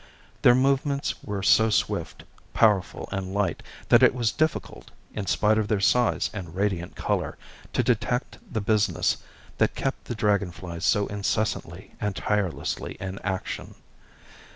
Their movements were so swift, powerful, and light that it was difficult, in spite of their size and radiant colour, to detect the business that kept the dragon flies so incessantly and tirelessly in action.